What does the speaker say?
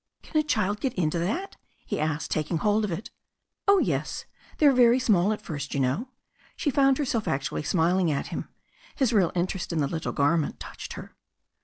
"Can a child get into that?" he asked, taking hold of it "Oh, yes. They are very small at first, you know." She found herself actually smiling at him. His real interest in the little garment touched her.